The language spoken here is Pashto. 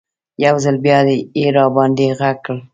یو ځل بیا یې راباندې غږ کړل.